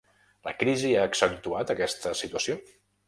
La crisi ha accentuat aquesta situació?